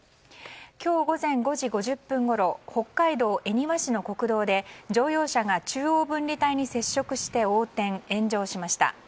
今日午前５時５０分ごろ北海道恵庭市の国道で乗用車が中央分離帯に接触して横転、炎上しました。